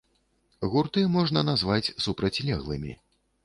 Гурты можна назваць супрацьлеглымі.